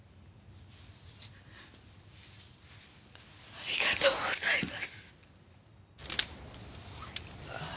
ありがとうございます。